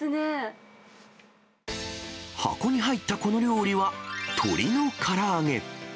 箱に入ったこの料理は、鶏のから揚げ。